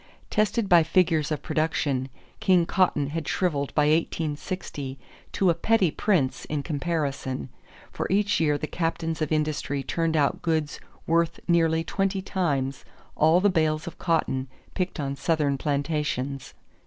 Tested by figures of production, King Cotton had shriveled by 1860 to a petty prince in comparison, for each year the captains of industry turned out goods worth nearly twenty times all the bales of cotton picked on Southern plantations.